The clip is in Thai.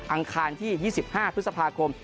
อังคารที่๒๕พฤษภาคม